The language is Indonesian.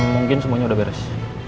mungkin semuanya udah beres